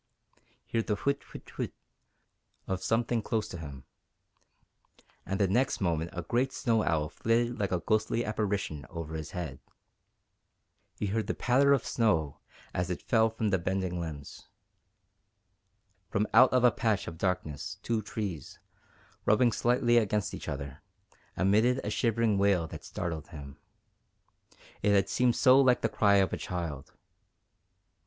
He heard the whit, whit, whit, of something close to him, and the next moment a great snow owl flitted like a ghostly apparition over his head; he heard the patter of snow as it fell from the bending limbs; from out of a patch of darkness two trees, rubbing slightly against each other, emitted a shivering wail that startled him it had seemed so like the cry of a child.